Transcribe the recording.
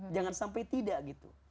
jangan sampai tidak gitu